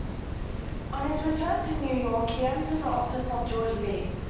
On his return to New York, he entered the office of George B.